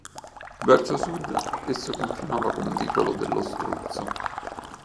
Verso sud esso confinava con "vicolo dello struzzo".